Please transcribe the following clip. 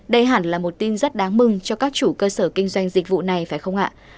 đây hẳn là một tin rất đáng mừng cho các chủ cơ sở kinh doanh dịch vụ này phải không ạ